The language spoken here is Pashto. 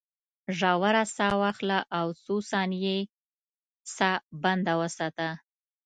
ژوره ساه واخله او څو ثانیې ساه بنده وساته.